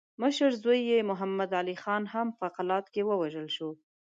مشر زوی محمد علي خان هم په قلات کې ووژل شو.